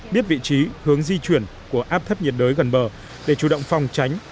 biết vị trí hướng di chuyển của áp thấp nhiệt đới gần bờ để chủ động phòng tránh